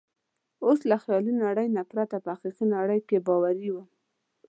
اوس له خیالي نړۍ پرته په حقیقي نړۍ کې باوري وم.